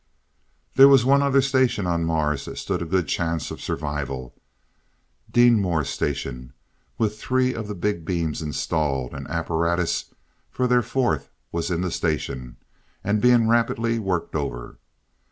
There was one other station on Mars that stood a good chance of survival, Deenmor Station, with three of the big beams installed, and apparatus for their fourth was in the station, and being rapidly worked over.